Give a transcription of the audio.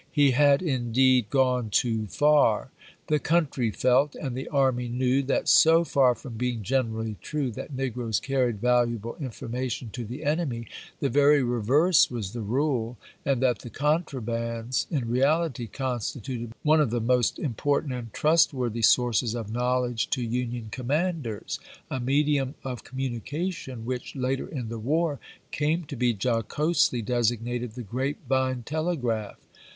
He had indeed gone too far. The country felt, and the army knew, that so far from being generally true that negroes carried valuable information to the enemy, the very reverse was the rule, and that the " contrabands " in reality constituted one of the most important and trustworthy sources of knowledge to Union commanders — a medium of communication which, later in the war, came to be jocosely designated the " grape vine telegraph."